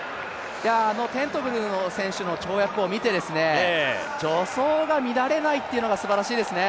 テントグル選手の跳躍を見て、助走が乱れないというのがすばらしいですね。